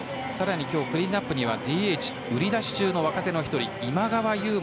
更に今日はクリーンアップＤＨ、売り出し中の若手の１人今川優